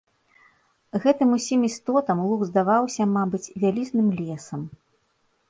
Гэтым усім істотам луг здаваўся, мабыць, вялізным лесам.